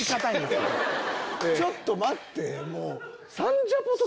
ちょっと待って。